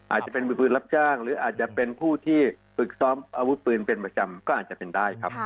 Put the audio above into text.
อาจจะเป็นมือปืนรับจ้างหรืออาจจะเป็นผู้ที่ฝึกซ้อมอาวุธปืนเป็นประจำก็อาจจะเป็นได้ครับ